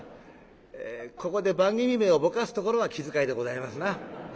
ここで番組名をぼかすところは気遣いでございますな。